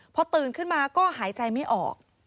พอตื่นขึ้นมาก็หายใจไม่ออก